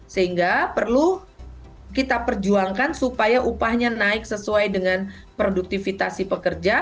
sehingga perlu kita perjuangkan supaya upahnya naik sesuai dengan produktivitas si pekerja